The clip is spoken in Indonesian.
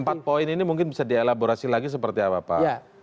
empat poin ini mungkin bisa dielaborasi lagi seperti apa pak